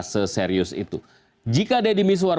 seserius itu jika deddy miswar